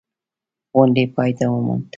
غونډې پای وموند.